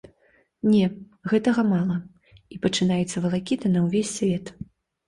Не, гэтага мала, і пачынаецца валакіта на ўвесь свет.